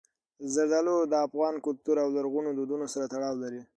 زردالو د افغان کلتور او لرغونو دودونو سره تړاو لري.